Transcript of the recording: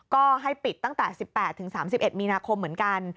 ก็ให้ปิดตั้งแต่๑๘๓๑มีนาคมเหมือนกัน